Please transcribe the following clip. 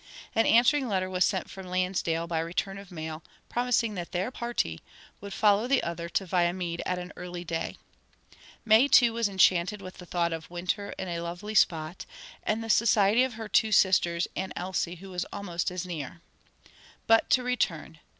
An answering letter was sent from Lansdale by return of mail, promising that their party would follow the other to Viamede at an early day. May too was enchanted with the thought of a winter in that lovely spot, and the society of her two sisters, and Elsie, who was almost as near. But to return.